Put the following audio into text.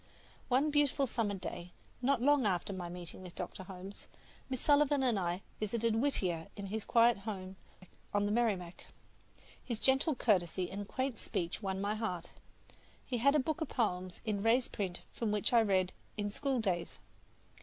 One beautiful summer day, not long after my meeting with Dr. Holmes, Miss Sullivan and I visited Whittier in his quiet home on the Merrimac. His gentle courtesy and quaint speech won my heart. He had a book of his poems in raised print from which I read "In School Days."